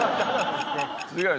違う。